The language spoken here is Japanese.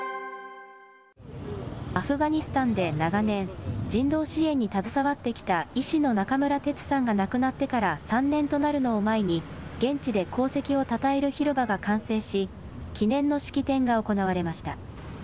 アフガニスタンで長年、人道支援に携わってきた医師の中村哲さんが亡くなってから３年となるのを前に、現地で功績をたたえる広場が完成し、記念の式典が行われました。